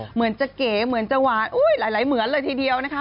เหมือนจะเก๋เหมือนจะหวานหลายเหมือนเลยทีเดียวนะคะ